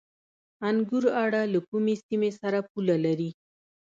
انګور اډه له کومې سیمې سره پوله لري؟